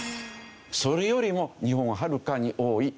それよりも日本ははるかに多いというわけで。